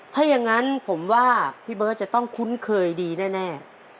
ถ้าอย่างนั้นผมว่าพี่เบิร์ตจะต้องคุ้นเคยดีแน่